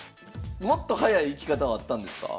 もっと早い行き方はあったんですか？